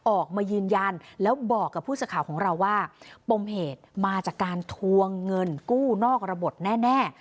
ออกมายืนยันแล้วบอกกับผู้สื่อข่าวของเราว่าปมเหตุมาจากการทวงเงินกู้นอกระบบแน่